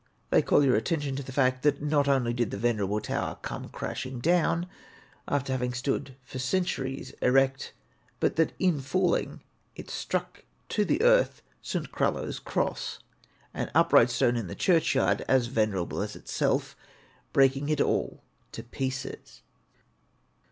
They call your attention to the fact that not only did the venerable tower come crashing down, after having stood for centuries erect, but that in falling it struck to the earth St. Crallo's cross an upright stone in the churchyard as venerable as itself breaking it all to pieces.